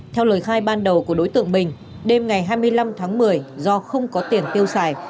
theo lời khai ban đầu của đối tượng bình đêm ngày hai mươi năm tháng một mươi do không có tiền tiêu xài